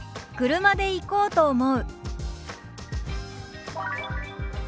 「車で行こうと思う」。